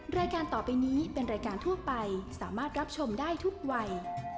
รายการต่อไปนี้เป็นรายการทั่วไปสามารถรับชมได้ทุกวัย